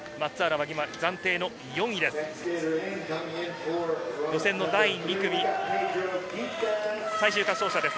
暫定４位です。